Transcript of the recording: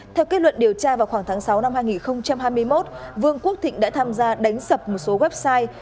theo kết luận điều tra vào khoảng tháng sáu năm hai nghìn hai mươi một vương quốc thịnh đã tham gia đánh sập một số website